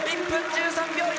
１分１３秒１９。